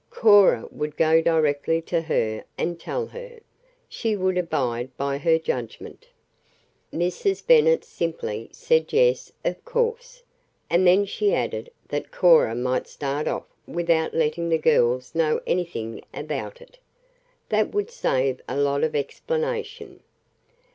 Cora would go directly to her, and tell her. She would abide by her judgment. Mrs. Bennet simply said yes, of course. And then she added that Cora might start off without letting the girls know anything about it. That would save a lot of explanation.